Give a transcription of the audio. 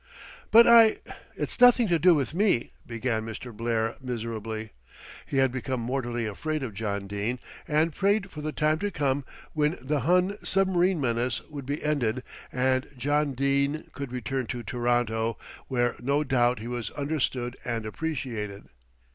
"But I it's nothing to do with me," began Mr. Blair miserably. He had become mortally afraid of John Dene, and prayed for the time to come when the Hun submarine menace would be ended, and John Dene could return to Toronto, where no doubt he was understood and appreciated.